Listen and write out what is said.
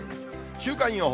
週間予報。